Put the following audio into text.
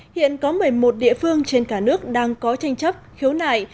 hiện có một mươi một địa phương trên cả nước đang có tranh chấp khiếu nại